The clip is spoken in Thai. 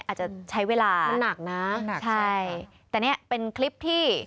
อาจจะใช้เวลามันหนักนะหนักใช่แต่เนี้ยเป็นคลิปที่